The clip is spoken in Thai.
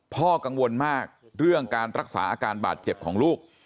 พ่อกังวลมากเรื่องการรักษาอาการบาดเจ็บของลูก